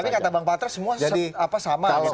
tapi kata bang patra semua sama